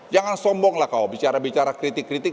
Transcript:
jangan sombonglah kau bicara bicara kritik kritik